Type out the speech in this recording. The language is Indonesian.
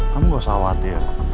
kamu nggak usah khawatir